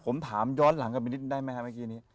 ผมถามย้อนหลังกลับไปนิดได้ไหมครับเมื่อกี้นี้